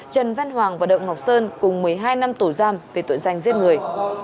trần văn hoàng và đậu ngọc sơn cùng một mươi hai năm tổ giam về tuyển danh giết người